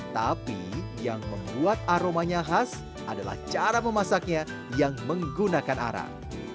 tapi yang membuat aromanya khas adalah cara memasaknya yang menggunakan arang